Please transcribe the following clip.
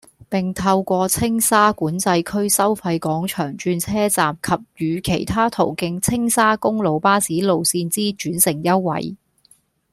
並透過青沙管制區收費廣場轉車站及與其他途經青沙公路巴士路線之轉乘優惠，